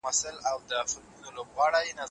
د اوبو کموالی د بدن قوت او طاقت په پوره ډول کموي.